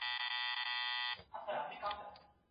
د ځان وژني مخه به ونيول سي.